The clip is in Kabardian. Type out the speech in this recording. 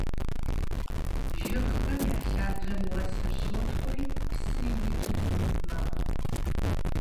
Jjıgxem ya lhabjem vuesır şotk'uri psı yitu kumb mexhu.